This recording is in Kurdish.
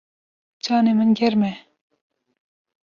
Canê min germ e.